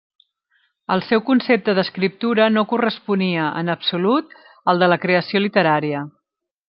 El seu concepte d'escriptura no corresponia, en absolut, al de la creació literària.